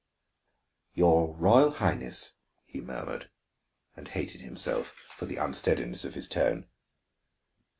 "Your Royal Highness " he murmured, and hated himself for the unsteadiness of his tone.